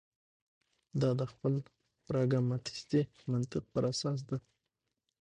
دا د خپل پراګماتیستي منطق پر اساس ده.